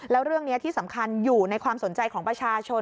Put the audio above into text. แล้วเรื่องนี้ที่สำคัญอยู่ในความสนใจของประชาชน